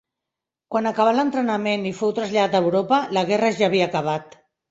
Quan acabà l'entrenament i fou traslladat a Europa, la guerra ja havia acabat.